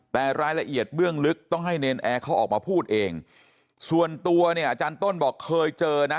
แต่รายละเอียดเบื้องลึกต้องให้เนรนแอร์เขาออกมาพูดเองส่วนตัวเนี่ยอาจารย์ต้นบอกเคยเจอนะ